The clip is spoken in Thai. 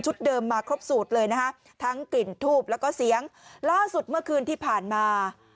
เดิมมาครบสูตรเลยนะฮะทั้งกลิ่นทูบแล้วก็เสียงล่าสุดเมื่อคืนที่ผ่านมา